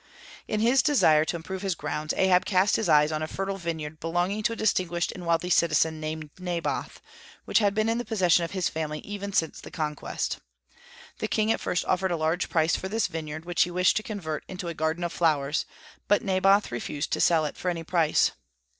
In his desire to improve his grounds Ahab cast his eyes on a fertile vineyard belonging to a distinguished and wealthy citizen named Naboth, which had been in the possession of his family even since the conquest. The king at first offered a large price for this vineyard, which he wished to convert into a garden of flowers, but Naboth refused to sell it for any price.